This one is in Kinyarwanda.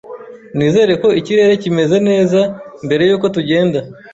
Nizere ko ikirere kimeze neza mbere yuko tugenda.